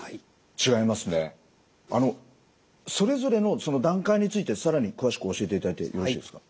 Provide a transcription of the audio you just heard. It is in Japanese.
それぞれの段階について更に詳しく教えていただいてよろしいですか？